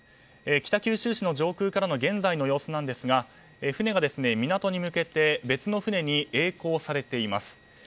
北九州市の上空からの現在の様子なんですが船が港に向けて別の船に曳航されています。